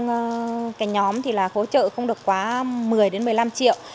nếu được phê duyệt mỗi một hộ trong nhóm hỗ trợ không được quá một mươi một mươi năm triệu